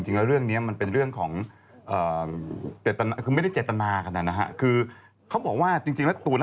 หมดวงการเลย